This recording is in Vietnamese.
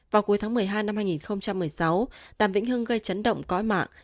vào cuối tháng một mươi hai năm hai nghìn một mươi sáu đàm vĩnh hưng gây chấn động cói mạng